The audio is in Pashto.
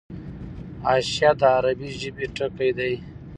حاشیه د عربي ژبي ټکی دﺉ.